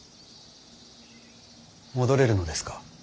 戻れるのですか？